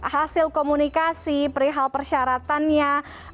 hasil komunikasi perihal persyaratannya